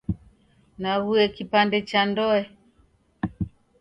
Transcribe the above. Nague kipande cha ndoe.